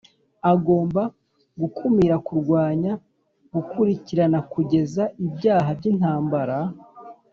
Agomba gukumira kurwanya gukurikirana kugenza ibyaha by’intambara